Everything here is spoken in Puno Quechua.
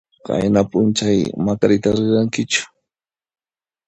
Qayna p'unchay Macarita rirankichu?